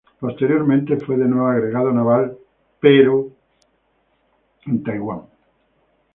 Posteriormente fue de nuevo agregado naval pero en los Estados Unidos.